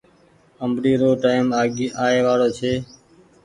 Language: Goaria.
آمبڙي رو ٽئيم آئي وآڙو ڇي۔